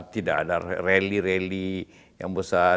tidak ada rally rally yang besar